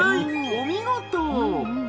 お見事！